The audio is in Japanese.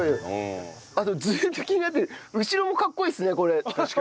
あとずーっと気になってる後ろもかっこいいですねこれ。